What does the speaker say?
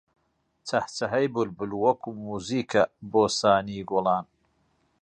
چەهچەهەی بولبول وەکوو مووزیکە بۆ سانی گوڵان